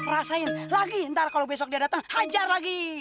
rasain lagi ntar kalo besok dia dateng hajar lagi